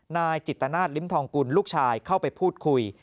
นายจิตนาศลิ้มทองกุลลูกชายเข้าไปพูดคุย